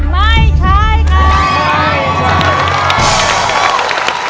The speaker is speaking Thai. ไม่ใช่ครับ